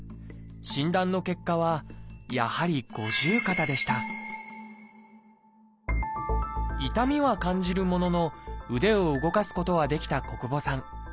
診断の結果はやはり「五十肩」でした痛みは感じるものの腕を動かすことはできた小久保さん。